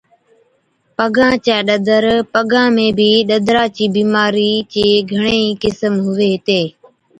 پگان چَي ڏَدر، پگان ۾ بِي ڏَدرا چِي بِيمارِي چي گھڻي ئِي قسم هُوي هِتي۔